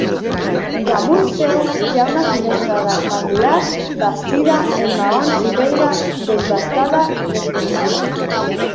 Damunt seu hi ha una finestra rectangular bastida en maons i pedra desbastada, reformada.